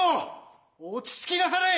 落ち着きなされい。